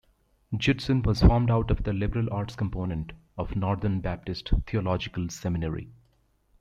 Judson was formed out of the liberal arts component of Northern Baptist Theological Seminary.